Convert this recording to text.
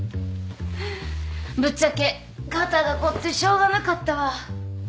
ぶっちゃけ肩が凝ってしょうがなかったわ